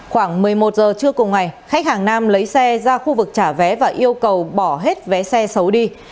khoảng một mươi một giờ trưa cùng ngày khách hàng nam lấy xe ra khu vực trả vé và yêu cầu bỏ hết vé xe xấu đi